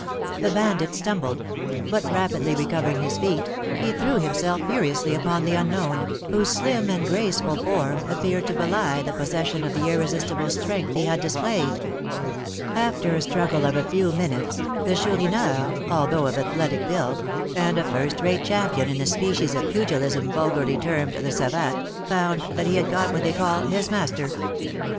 The bandit stumbled; but, rapidly recovering his feet, he threw himself furiously upon the unknown, whose slim and graceful form appeared to belie the possession of the irresistible strength he had displayed. After a struggle of a few minutes, the Chourineur, although of athletic build, and a first rate champion in a species of pugilism vulgarly termed the savate, found that he had got what they call his master.